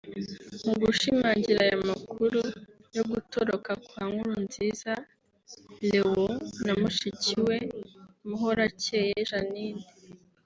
Mu gushimangira aya makuru yo gutoroka kwa Nkurunziza Leon na mushiki we Muhoracyeye Jeannine